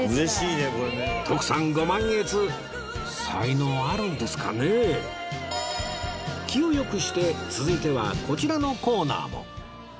気を良くして続いてはこちらのコーナーも